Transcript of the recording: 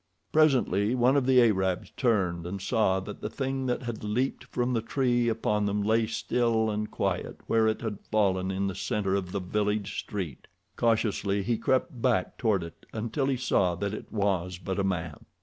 Presently one of the Arabs turned and saw that the thing that had leaped from the tree upon them lay still and quiet where it had fallen in the center of the village street. Cautiously he crept back toward it until he saw that it was but a man.